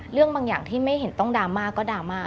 เรื่องบางอย่างที่ไม่เห็นต้องดราม่าก็ดราม่า